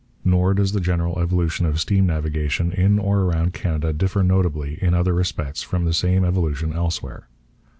Nor does the general evolution of steam navigation in or around Canada differ notably, in other respects, from the same evolution elsewhere.